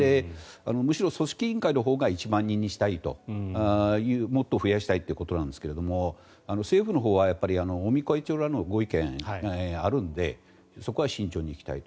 むしろ、組織委員会のほうが１万人にしたいもっと増やしたいということなんですけれども政府のほうはやっぱり尾身会長らのご意見があるのでそこは慎重にいきたいと。